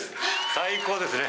最高ですね。